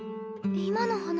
今の話。